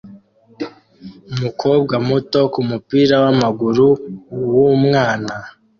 Umukobwa muto kumupira wamaguru wumwana